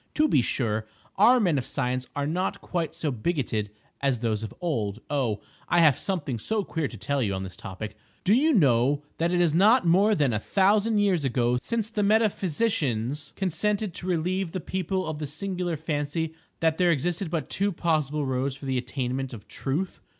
To be sure, our men of science are not quite so bigoted as those of old:—oh, I have something so queer to tell you on this topic. Do you know that it is not more than a thousand years ago since the metaphysicians consented to relieve the people of the singular fancy that there existed but two possible roads for the attainment of Truth!